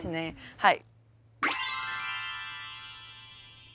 はい。